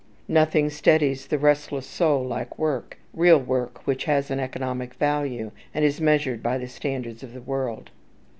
Nothing steadies the restless soul like work, real work which has an economic value, and is measured by the standards of the world.